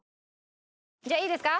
じゃあいいですか？